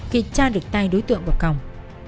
khi tra được tay đối tượng vào còng